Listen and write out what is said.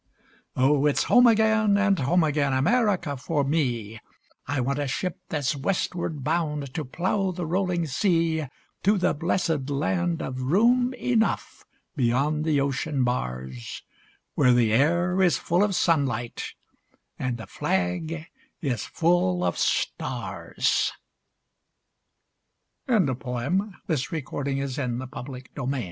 Oh, it's home again, and home again, America for me! I want a ship that's westward bound to plough the rolling sea, To the bléssed Land of Room Enough beyond the ocean bars, Where the air is full of sunlight and the flag is full of stars A Presbyterian Minister, Henry Van Dyke is perhaps best